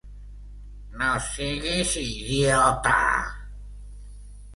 No siguis idiota!